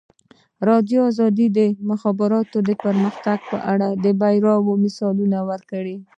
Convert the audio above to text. ازادي راډیو د د مخابراتو پرمختګ په اړه د بریاوو مثالونه ورکړي.